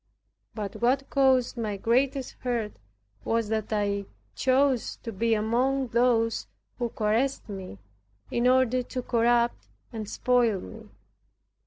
But what caused my greatest hurt was, that I chose to be among those who caressed me, in order to corrupt and spoil me.